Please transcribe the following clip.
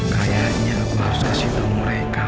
kayaknya aku harus kasih tau mereka